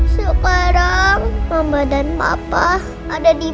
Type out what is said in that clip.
sekarang mama dan papa ada di